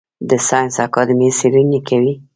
د ساینس اکاډمي څیړنې کوي؟